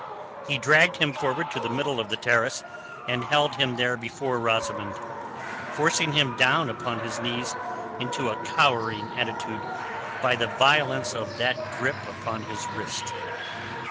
He dragged him forward to the middle of the terrace and held him there before Rosamund, forcing him down upon his knees into a cowering attitude by the violence of that grip upon his wrist.